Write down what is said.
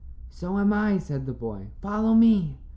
"So am I," said the boy. "Follow me."